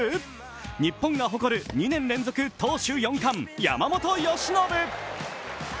日本が誇る２年連続投手４冠・山本由伸。